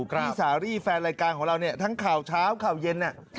พี่สารีแฟนรายการของเราเนี่ยทั้งข่าวเช้าข่าวเย็น